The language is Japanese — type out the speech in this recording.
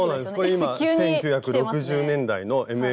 これ今１９６０年代のＭＡ−１。